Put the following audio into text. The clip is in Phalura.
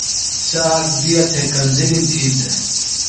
سےۡ آک دُیہ تھےۡ کنزِلِم تِھین دےۡ۔